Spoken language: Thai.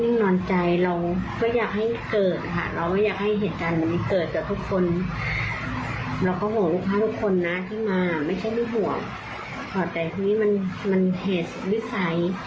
ก็เลยอัดคลิปบอกลูกค้าที่มาที่ร้านในช่วง๘๑๔เมษายน